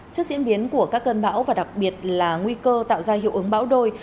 trước diễn biến của các cơn bão và đặc biệt là nguy cơ tạo ra hiệu ứng bão đôi